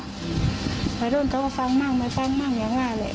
หลายรุ่นเขาก็ฟังมั่งฟังมั่งอย่างนั้นเลย